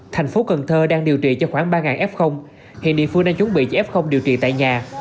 thành phố cần thơ đang điều trị cho khoảng ba f hiện địa phương đang chuẩn bị cho f điều trị tại nhà